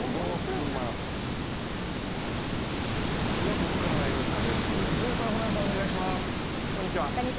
ここからは「Ｎスタ」です、井上さん、ホランさん、お願いします。